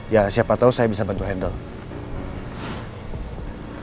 ya siapa tahu saya bisa bantu handle